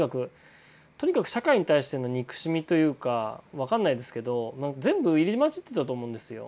とにかく社会に対しての憎しみというか分かんないですけど全部入り交じってたと思うんですよ。